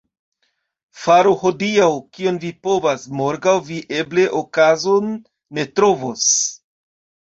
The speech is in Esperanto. Faru hodiaŭ, kion vi povas — morgaŭ vi eble okazon ne trovos.